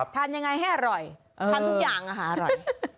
ทานยังไงให้อร่อยทานทุกอย่างอาหารอร่อย